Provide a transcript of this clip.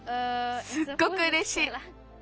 すっごくうれしい。